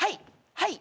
はい。